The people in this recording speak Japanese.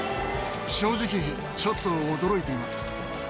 正直ちょっと驚いています。